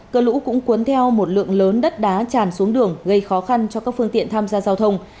cơn lũ cũng cuốn theo một lượng lớn đất đá tràn xuống đường gây khó khăn cho các phương tiện tham gia giao thông